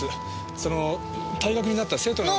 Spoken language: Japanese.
その退学になった生徒の名前。